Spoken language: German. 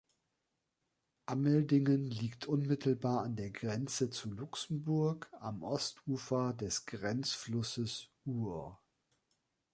Ammeldingen liegt unmittelbar an der Grenze zu Luxemburg am Ostufer des Grenzflusses Our.